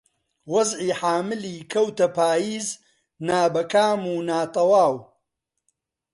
وەزعی حەملی کەوتە پاییز نابەکام و ناتەواو